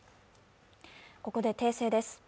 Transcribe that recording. ここで訂正です。